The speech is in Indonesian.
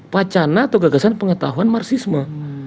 pacana atau gagasan pengetahuan marsisme